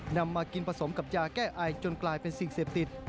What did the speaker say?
นำมากินผสมกับยาแก้ไอจนกลายเป็นสิ่งเสพติด